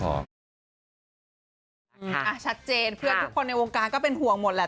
ชัดเจนเพื่อนทุกคนในวงการก็เป็นห่วงหมดแหละ